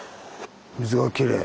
水がきれい。